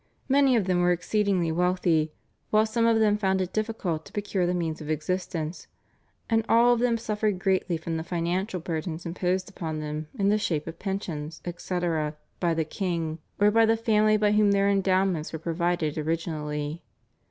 Many of them were exceedingly wealthy, while some of them found it difficult to procure the means of existence, and all of them suffered greatly from the financial burdens imposed upon them in the shape of pensions, etc., by the king or by the family by whom their endowments were provided originally.